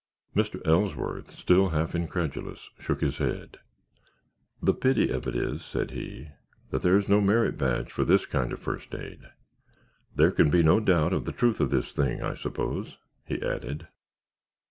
Mr. Ellsworth, still half incredulous, shook his head. "The pity of it is," said he, "that there's no merit badge for this kind of first aid. There can be no doubt of the truth of this thing, I suppose?" he added.